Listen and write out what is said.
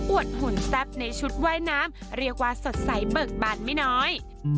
วดหุ่นแซ่บในชุดว่ายน้ำเรียกว่าสดใสเบิกบานไม่น้อย